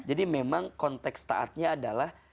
jadi memang konteks taatnya adalah